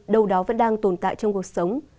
đầu đó vẫn đang tồn tại trong cuộc sống